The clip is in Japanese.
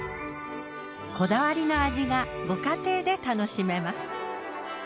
こだわりの味がご家庭で楽しめます。